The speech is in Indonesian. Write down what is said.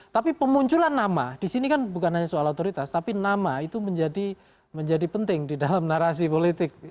tapi pemunculan nama di sini kan bukan hanya soal otoritas tapi nama itu menjadi penting di dalam narasi politik